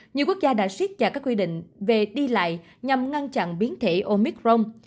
nhiều quốc gia đã suýt dạy các quy định về đi lại nhằm ngăn chặn biến thể omicron